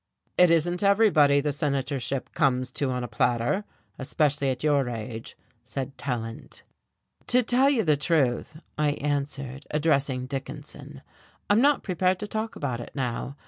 "It isn't everybody the senatorship comes to on a platter especially at your age," said Tallant. "To tell you the truth," I answered, addressing Dickinson, "I'm not prepared to talk about it now.